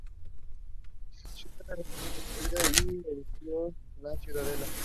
La ciudad fue reconstruida y se erigió la ciudadela.